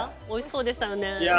おいしそうでしたよね。